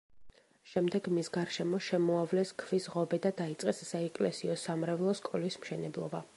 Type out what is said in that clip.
შემდეგ მის გარშემო შემოავლეს ქვის ღობე და დაიწყეს საეკლესიო-სამრევლო სკოლის მშენებლობა.